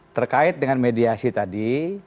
terkait dengan mediasi tadi